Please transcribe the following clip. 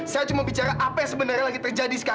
saya cuma bicara apa yang sebenarnya lagi terjadi sekarang